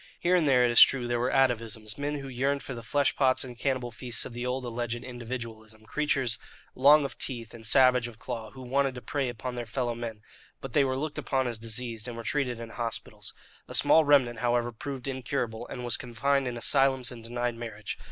Here and there, it is true, there were atavisms, men who yearned for the flesh pots and cannibal feasts of the old alleged "individualism," creatures long of teeth and savage of claw who wanted to prey upon their fellow men; but they were looked upon as diseased, and were treated in hospitals. A small remnant, however, proved incurable, and was confined in asylums and denied marriage.